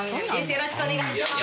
よろしくお願いします。